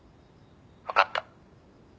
分かった。